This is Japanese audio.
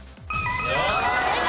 正解。